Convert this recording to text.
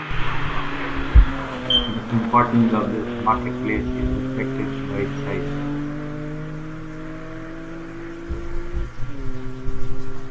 The importance of this marketplace is reflected by its size.